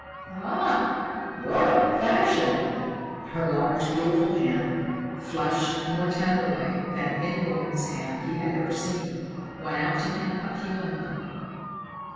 "Ah, you're old fashioned!" Her large, beautiful hand, fleshed more tenderly than any woman's hand he had ever seen, went out to him appealingly.